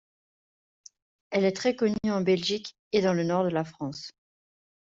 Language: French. Elle est très connue en Belgique et dans le Nord de la France.